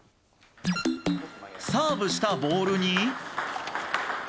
サーブしたボールに。